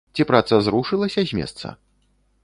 Ці праца зрушылася з месца?